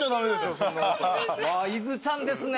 いずちゃんですね。